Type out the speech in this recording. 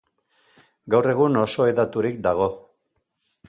Gaur egun oso hedaturik dago.